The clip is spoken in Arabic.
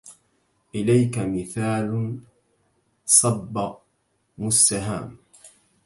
إليك مثال صب مستهام